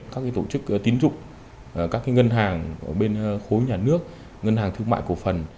các tổ chức tín dụng các ngân hàng ở bên khối nhà nước ngân hàng thương mại của phần